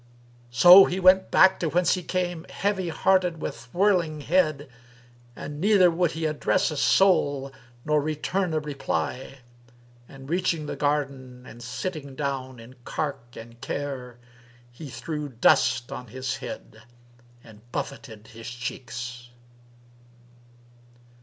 So he went back to whence he came heavy hearted with whirling head; and neither would he address a soul nor return a reply; and reaching the garden and sitting down in cark and care he threw dust on his head and buffeted his cheeks.